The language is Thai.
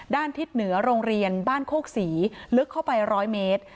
ทิศเหนือโรงเรียนบ้านโคกศรีลึกเข้าไป๑๐๐เมตร